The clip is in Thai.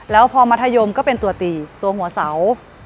แล้วพอมัธยมก็เป็นตัวตีตัวหัวเสา